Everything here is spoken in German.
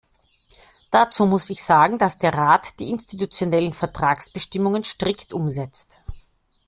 Dazu muss ich sagen, dass der Rat die institutionellen Vertragsbestimmungen strikt umsetzt.